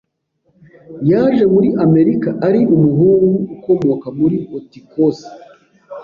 Yaje muri Amerika ari umuhungu ukomoka muri otcosse.